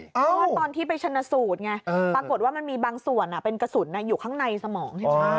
เพราะว่าตอนที่ไปชนสูตรไงปรากฏว่ามันมีบางส่วนเป็นกระสุนอยู่ข้างในสมองใช่ไหม